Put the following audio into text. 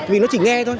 vì nó chỉ nghe